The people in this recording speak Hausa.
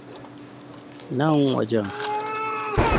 Nan wajen!